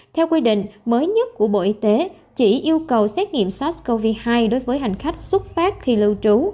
theo quy định mới nhất của bộ y tế chỉ yêu cầu xét nghiệm sars cov hai đối với hành khách xuất phát khi lưu trú